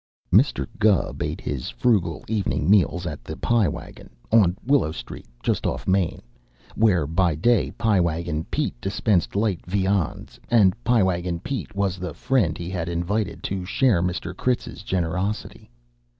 Mr. Gubb ate his frugal evening meals at the Pie Wagon, on Willow Street, just off Main, where, by day, Pie Wagon Pete dispensed light viands; and Pie Wagon Pete was the friend he had invited to share Mr. Critz's generosity.